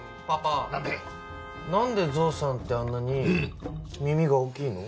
なんでゾウさんってあんなに耳が大きいの？